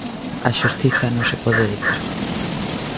A xustiza non se pode deter.